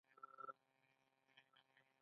څنګه کولی شم د ماشومانو لپاره د فلم شپه جوړه کړم